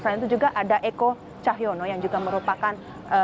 dan juga di situ juga ada eko cahyono yang juga merupakan